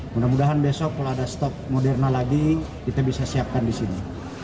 mudah mudahan besok kalau ada stok moderna lagi kita bisa siapkan di sini